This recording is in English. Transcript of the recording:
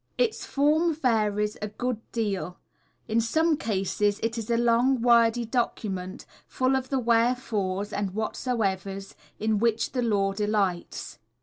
Its form varies a good deal. In some cases it is a long, wordy document, full of the "wherefores" and "whatsoevers" in which the law delights.